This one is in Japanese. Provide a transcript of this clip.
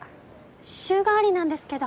週替わりなんですけど。